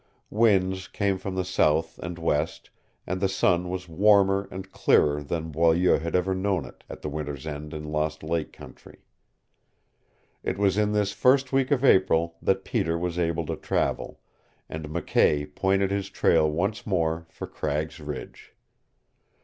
Winds came from the south and west and the sun was warmer and clearer than Boileau had ever known it at the winter's end in Lost Lake country. It was in this first week of April that Peter was able to travel, and McKay pointed his trail once more for Cragg's Ridge.